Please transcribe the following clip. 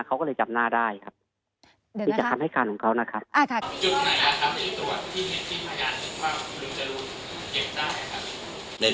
เขาก็เลยจับหน้าได้ครับนี่จะทำให้การของเขานะครับอ่าค่ะ